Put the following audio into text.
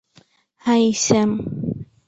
High, Sam.